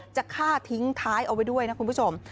จะฆ่าทิ้งท้ายเอาไว้ด้วยนะคุณผู้ชม